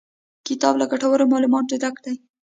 کتاب له ګټورو معلوماتو ډک دی.